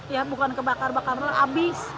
ya bukan kebakar bakar habis